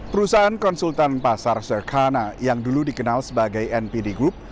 perusahaan konsultan pasar surcana yang dulu dikenal sebagai npd group